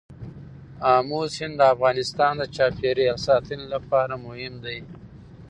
آمو سیند د افغانستان د چاپیریال ساتنې لپاره مهم دی.